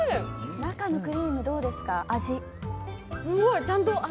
中のクリームどうですか？